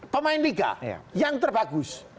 pemain liga yang terbagus